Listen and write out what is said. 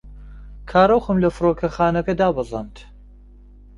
کارۆخم لە فڕۆکەخانە دابەزاند.